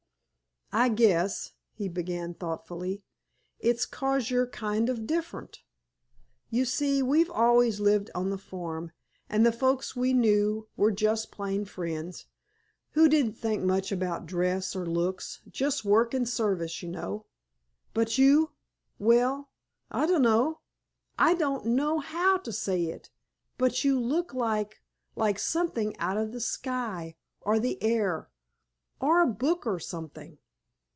"I guess," he began thoughtfully, "it's 'cause you're kind of different. You see we've always lived on the farm, and the folks we knew were just plain Friends, who didn't think much about dress or looks, just work and service, you know. But you—well—I dunno, I don't know how to say it—but you look like—like something out of the sky, or the air, or a book or something.